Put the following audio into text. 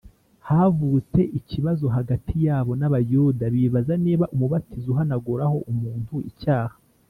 Havutse ikibazo hagati yabo n’Abayuda bibaza niba umubatizo uhanaguraho umuntu icyaha